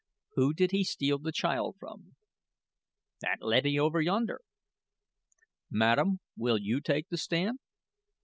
"Who did he steal the child from?" "That leddy over yonder." "Madam, will you take the stand?"